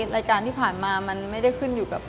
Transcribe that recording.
รายการที่ผ่านมามันไม่ได้ขึ้นอยู่กับ